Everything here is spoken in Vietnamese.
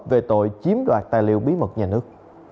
về tội chiếm đoạt tài liệu bí mật nhà nước